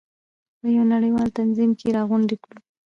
په یو نړیوال تنظیم کې راغونډې کړو.